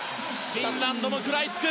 フィンランドも食らいつく。